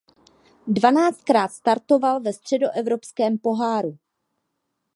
Dvanáctkrát startoval ve Středoevropském poháru.